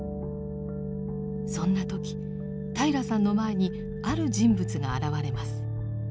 そんな時平良さんの前にある人物が現れます。